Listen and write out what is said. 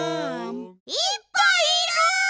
いっぱいいる！